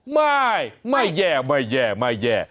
ไม่ไม่แย่ไม่แย่ไม่แย่